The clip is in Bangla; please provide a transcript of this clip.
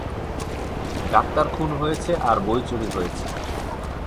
ডাক্তার খুন হয়েছে আর বই চুরি হয়েছে।